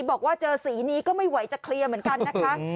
บอกว่าเจอสีนี้ก็ไม่ไหวจะเคลียร์เหมือนกันนะคะ